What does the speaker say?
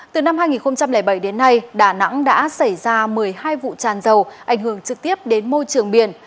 từ năm hai nghìn bảy đến nay đà nẵng đã xảy ra một mươi hai vụ tràn dầu ảnh hưởng trực tiếp đến môi trường biển